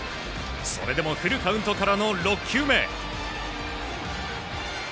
それでもフルカウントからの６球目。